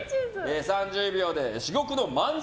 ３０秒で至極の漫才。